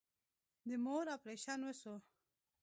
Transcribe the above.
د مور اپريشن وسو.